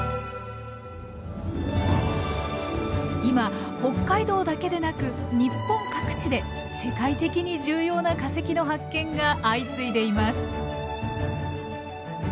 今北海道だけでなく日本各地で世界的に重要な化石の発見が相次いでいます。